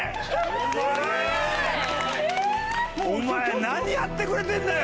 すごい！お前何やってくれてんだよ！